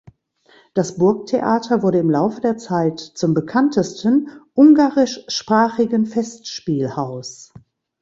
Das Burgtheater wurde im Laufe der Zeit zum bekanntesten ungarischsprachigen Festspielhaus.